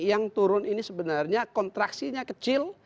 yang turun ini sebenarnya kontraksinya kecil